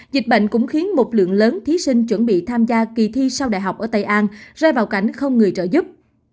dịch bệnh cũng khiến một lượng lớn thí sinh chuẩn bị tham gia kỳ thi sau đại học ở tây an rơi vào cảnh không người trợ giúp